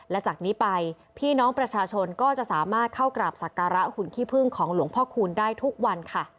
และจากนี้ไปพี่น้องประชาชนก็จะสามารถเข้ากราบสักการะหุ่นขี้พึ่งของหลวงพ่อคูณได้ทุกวันค่ะ